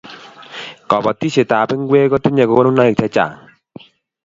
kabatishiet ab ngwek kotinye konunaik chechang